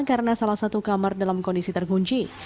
karena salah satu kamar dalam kondisi terkunci